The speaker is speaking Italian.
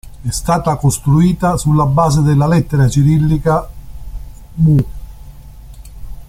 È stata costruita sulla base della lettera cirillica Ц.